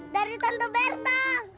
dari tante berta